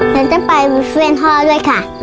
ผมจะไปช่วยพ่อด้วยค่ะ